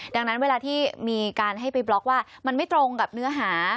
ดังนั้นเวลาที่มีการให้ไปบล็อกว่ามันไม่ตรงกับเนื้อหา